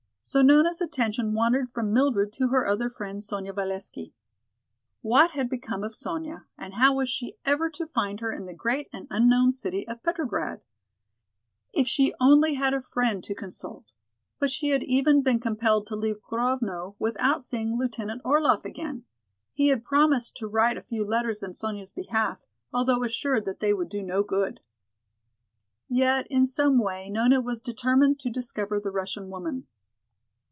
So Nona's attention wandered from Mildred to her other friend, Sonya Valesky. What had become of Sonya and how was she ever to find her in the great and unknown city of Petrograd? If she only had a friend to consult, but she had even been compelled to leave Grovno without seeing Lieutenant Orlaff again. He had promised to write a few letters in Sonya's behalf, although assured that they would do no good. Yet in some way Nona was determined to discover the Russian woman.